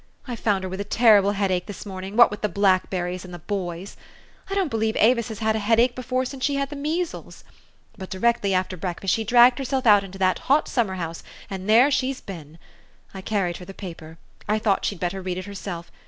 I found her with a terrible headache this morning, what with the blackberries and the boys. I don't believe Avis has had a headache before since she had the measles. But directly after breakfast she dragged herself out into that hot summer house, and there she's been. I carried her the paper. I thought she'd better read it herself.